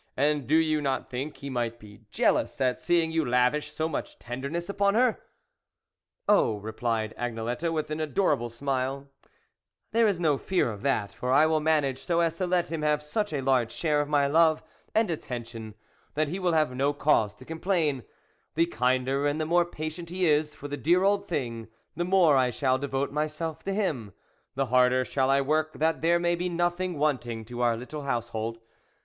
and do you not think he might be jealous at seeing you lavish so much tenderness upon her ?"" Oh," replied Agnelette, with an ador able smile, " there is no fear of that, for I will manage so as to let him have such a large share of my love and attention that he will have no cause to complain ; the kinder and the more patient he is for the dear old thing, the more I shall devote myself to him, the harder shall I work that there may be nothing wanting to our little household.